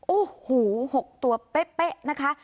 โอ้โห๖ตัวเป๊ะ